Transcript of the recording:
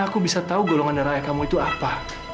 mana aku bisa tahu golongan darah ayah kamu itu apa